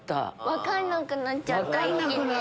分かんなくなっちゃった一気に。